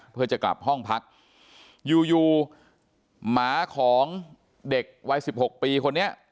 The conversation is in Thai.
เพื่อจะกลับห้องพักอยู่อยู่หมาของเด็กวัยสิบหกปีคนนี้